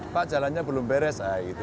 pak jalannya belum beres